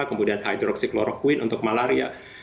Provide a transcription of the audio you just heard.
kemudian hydroxychloroquine untuk malaria